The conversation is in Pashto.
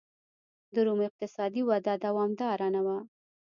د روم اقتصادي وده دوامداره نه وه.